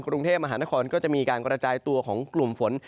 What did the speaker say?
กรุงเทพมหานครก็จะมีการกระจายตัวของกลุ่มฝน